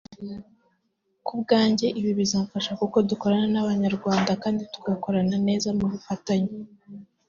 Ku bwanjye ibi bizamfasha kuko dukorana n’Abanyarwanda kandi tugakorana neza mu bufatanye